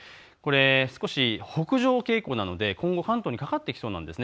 少し北上傾向なので今後、関東にかかってきそうです。